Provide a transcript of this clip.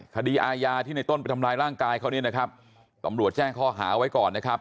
คดีอาญาที่ในต้นไปทำร้ายร่างกายเขาเนี่ยนะครับตำรวจแจ้งข้อหาไว้ก่อนนะครับ